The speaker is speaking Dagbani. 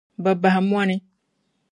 Bɛ bahi mɔni.